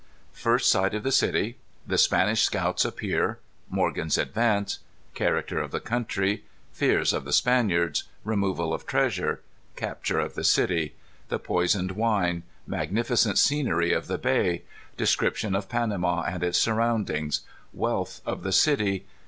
_ First Sight of the City. The Spanish Scouts Appear. Morgan's Advance. Character of the Country. Fears of the Spaniards. Removal of Treasure. Capture of the City. The Poisoned Wine. Magnificent Scenery of the Bay. Description of Panama and its Surroundings. Wealth of the City.